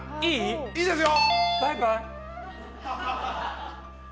いいですよ。